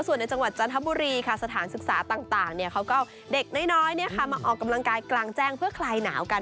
ส่วนในจังหวัดจันทบุรีค่ะสถานศึกษาต่างเขาก็เอาเด็กน้อยมาออกกำลังกายกลางแจ้งเพื่อคลายหนาวกัน